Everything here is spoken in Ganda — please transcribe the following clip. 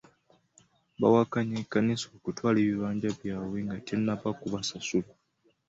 Bawakanya ekkanisa okutwala ebibanja byabwe nga tennaba kubasasula.